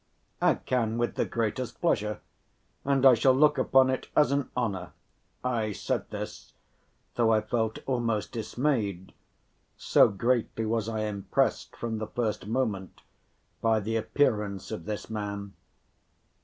"I can, with the greatest pleasure, and I shall look upon it as an honor." I said this, though I felt almost dismayed, so greatly was I impressed from the first moment by the appearance of this man.